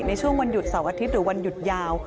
ในช่วงวันหยุดเสาร์อาทิตย์หรือวันหยุดยาว